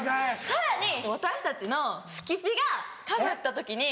さらに私たちのすきぴがかぶった時に。